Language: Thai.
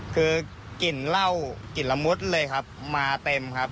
คือกลิ่นเหล้ากลิ่นละมุดเลยครับมาเต็มครับ